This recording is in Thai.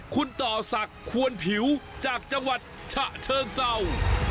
คุณต่อศักดิ์ควรผิวจากจังหวัดฉะเชิงเศร้า